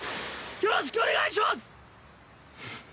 よろしくお願いします！